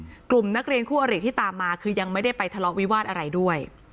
กลุ่มนักเรียนคู่อริที่ตามมาคือยังไม่ได้ไปทะเลาะวิวาสอะไรด้วย